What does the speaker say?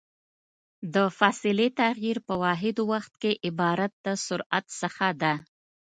د فاصلې تغير په واحد وخت کې عبارت د سرعت څخه ده.